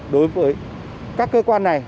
đối với các cơ quan này